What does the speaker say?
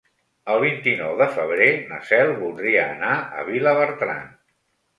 El vint-i-nou de febrer na Cel voldria anar a Vilabertran.